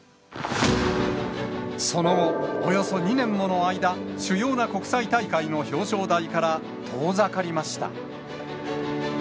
その後、およそ２年もの間、主要な国際大会の表彰台から遠ざかりました。